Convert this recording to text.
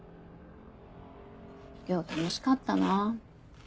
今日は楽しかったな。